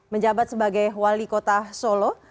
menjabat sebagai wali kota solo